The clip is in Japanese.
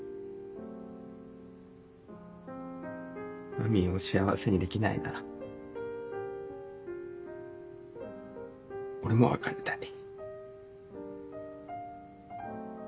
まみんを幸せにできないなら俺も別れたい。